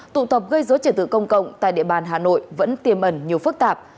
tụ tập gây dối trật tự công cộng tại địa bàn hà nội vẫn tiềm ẩn nhiều phức tạp